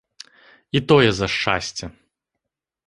І тое за шчасце.